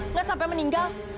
nggak sampai meninggal